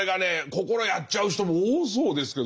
心をやっちゃう人も多そうですけど。